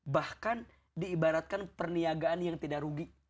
bahkan diibaratkan perniagaan yang tidak rugi